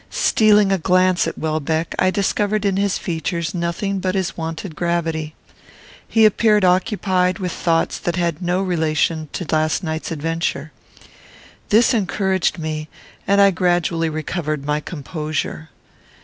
Stealing a glance at Welbeck, I discovered in his features nothing but his wonted gravity. He appeared occupied with thoughts that had no relation to last night's adventure. This encouraged me; and I gradually recovered my composure.